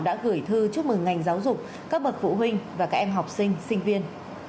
đã gửi thư chúc mừng ngành giáo dục các bậc phụ huynh và các em học sinh sinh viên